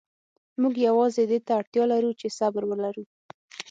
موږ یوازې دې ته اړتیا لرو چې صبر ولرو.